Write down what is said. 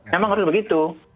memang harus begitu